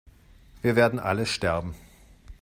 Wir werden alle sterben!